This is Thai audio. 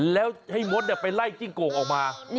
แล้วให้มดไปไล่จิ้งโก่งออกมา